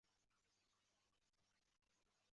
我以为要出站再进站